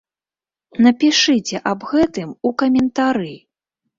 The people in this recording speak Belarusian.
Напішыце аб гэтым у каментары!